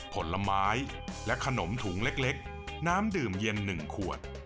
ผลไม้และขนมถุงเล็กน้ำดื่มเย็น๑ขวด